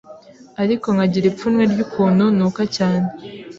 ariko nkagira ipfunwe ry’ukuntu nuka cyane,